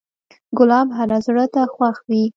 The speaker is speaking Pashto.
ګلاب هر زړه ته خوښ وي.